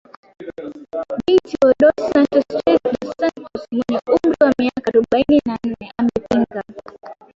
Binti wa Dos Santos Tchize dos Santos mwenye umri wa miaka arobaini na nne amepinga